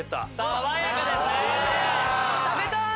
食べたい！